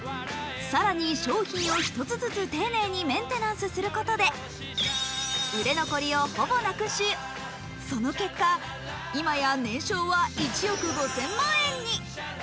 更に商品を１つずつ丁寧にメンテナンスすることで売れ残りをほぼなくし、その結果、いまや年商は１億５０００万円に。